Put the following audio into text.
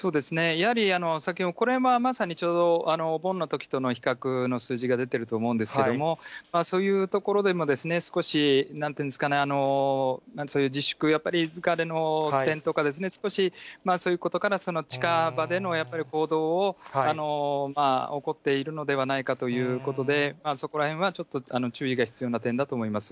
やはり先ほど、これはまさにお盆のときとの比較の数字が出ていると思うんですけれども、そういうところでも少し、なんて言うんですかね、そういう自粛、やっぱり疲れという点とか、少しそういうことから近場での行動を、起こっているのではないかということで、そこらへんはちょっと注意が必要な点だと思います。